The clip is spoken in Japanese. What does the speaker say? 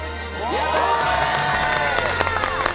やったー！